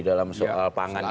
dalam soal pangan itu